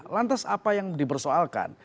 lantas apa yang dipersoalkan